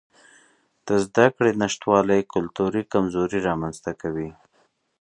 د زده کړې نشتوالی کلتوري کمزوري رامنځته کوي.